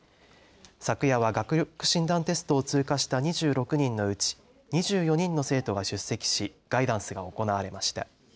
昨夜は学力診断テストを通過した２６人のうち２４人の生徒が出席しガイダンスが行われました。